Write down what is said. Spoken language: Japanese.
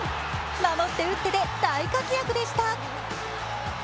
守って打ってで大活躍でした。